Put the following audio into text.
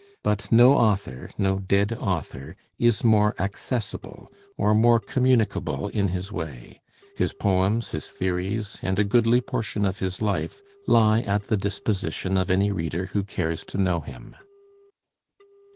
But no author no dead author is more accessible, or more communicable in his way; his poems, his theories, and a goodly portion of his life, lie at the disposition of any reader who cares to know him.